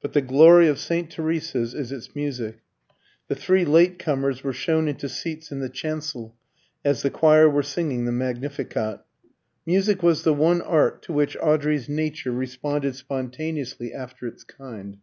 But the glory of St. Teresa's is its music. The three late comers were shown into seats in the chancel as the choir were singing the Magnificat. Music was the one art to which Audrey's nature responded spontaneously after its kind.